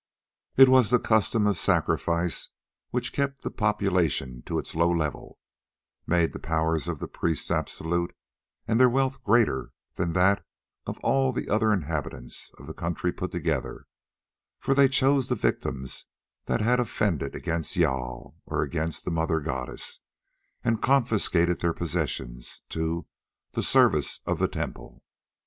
It was the custom of sacrifice which kept down the population to its low level, made the power of the priests absolute, and their wealth greater than that of all the other inhabitants of the country put together, for they chose the victims that had offended against Jâl or against the mother goddess, and confiscated their possessions to "the service of the temple."